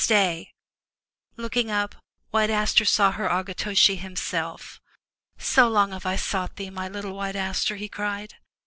Stay !Looking up, White Aster saw her Akitoshi himself. "So long have I sought thee, my little White Aster,'* he cried.